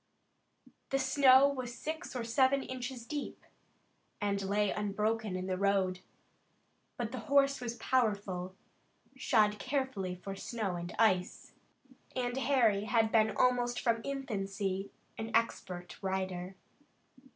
The snow was six or eight inches deep, and lay unbroken in the road. But the horse was powerful, shod carefully for snow and ice, and Harry had been almost from infancy an expert rider.